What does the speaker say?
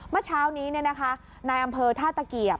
เมื่อเช้านี้เนี่ยนะคะนายอำเภอท่าตะเกียบ